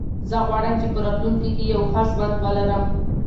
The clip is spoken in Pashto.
زه غواړم چې په راتلونکي کې یو ښه ژوند ولرم.